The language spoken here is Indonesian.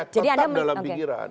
tetap dalam pikiran